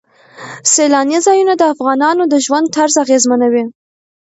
سیلاني ځایونه د افغانانو د ژوند طرز اغېزمنوي.